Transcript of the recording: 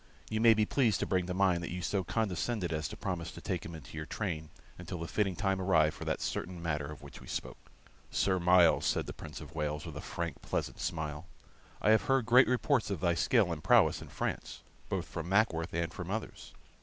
You may be pleased to bring to mind that you so condescended as to promise to take him into your train until the fitting time arrived for that certain matter of which we spoke." "Sir Myles," said the Prince of Wales, with a frank, pleasant smile, "I have heard great reports of thy skill and prowess in France, both from Mackworth and from others.